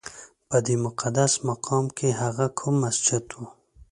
په دې مقدس مقام کې هغه کوم مسجد و؟